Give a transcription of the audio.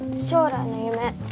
「将来の夢」。